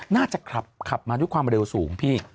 น่าจะขับมาด้วยความเร็วสูงพี่